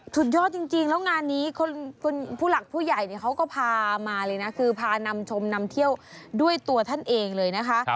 สุดยอดจริงแล้วงานนี้ผู้ใหญ่เค้าก็พามาคือนำโชมนำเที่ยวด้วยตัวท่านเองเลยนะคะ